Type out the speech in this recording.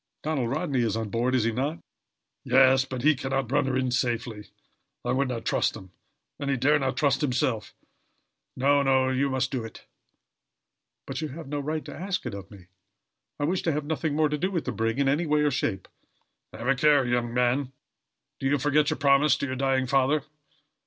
"Donald Rodney is on board, is he not?" "Yes, but he can not run her in safely. I would not trust him, and he dare not trust himself. No, no, you must do it." "But, you have no right to ask it of me. I wish to have nothing more to do with the brig, in any way or shape." "Have a care, young man! Do you forget your promise to your dying father?"